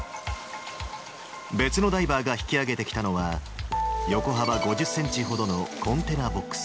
別のダイバーが引き上げてきたのは、横幅５０センチほどのコンテナボックス。